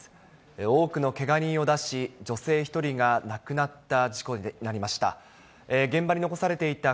多くのけが人を出し、女性１人が亡くなった事故になりました。